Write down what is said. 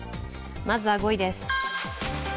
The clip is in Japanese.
まずは５位です。